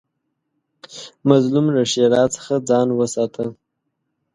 مظلوم له ښېرا څخه ځان وساته